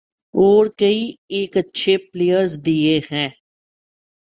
اور کئی ایک اچھے پلئیرز دیے ہیں۔